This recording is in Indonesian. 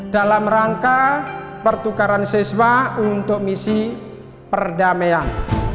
dalam rangka pertukaran siswa untuk misi perdamaian